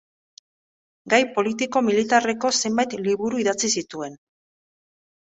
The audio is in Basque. Gai politiko-militarreko zenbait liburu idatzi zituen.